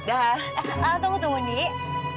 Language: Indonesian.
aku tunggu nek